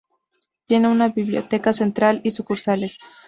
Tiene una biblioteca central y sucursales.